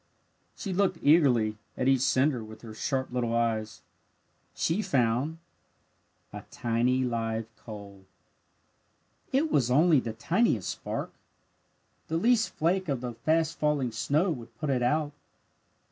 She looked eagerly at each cinder with her sharp little eyes. She found a tiny live coal. It was only the tiniest spark! The least flake of the fast falling snow would put it out!